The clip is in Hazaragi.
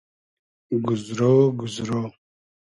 گوزرۉ گوزرۉ